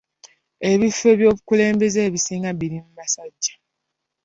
Ebifo by'obukulembeze ebisinga birimu basajja.